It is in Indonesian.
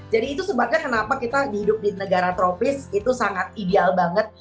jadi itu sebabnya kenapa kita hidup di negara tropis itu sangat ideal banget